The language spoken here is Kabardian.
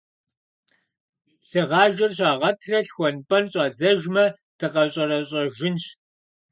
Лъыгъажэр щагъэтрэ лъхуэн-пӀэн щӀадзэжмэ, дыкъэщӀэрэщӀэжынщ.